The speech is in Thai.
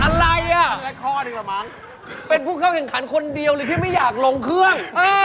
อะไรอ่ะเป็นผู้เข้าเรียนขันคนเดียวเลยที่ไม่อยากลงเครื่อง